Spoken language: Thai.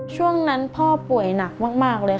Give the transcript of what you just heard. ช่วงนั้นพ่อป่วยหนักมากเลยค่ะ